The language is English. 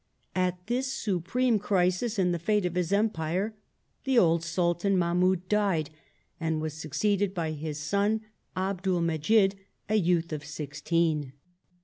At this supreme crisis in the fate of his Empire the old Sultan Mahmoud died and was succeeded by his son, Abdul Mejdid, a youth of sixteen.